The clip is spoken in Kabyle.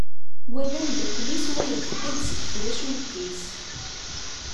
Wa d amddakel-is wayeḍ tekka-d seg twacult-is.